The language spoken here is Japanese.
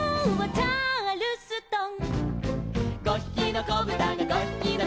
「チャールストン」